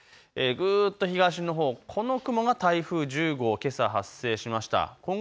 ぐっと東のほう、この雲が台風１０号、けさ発生しました。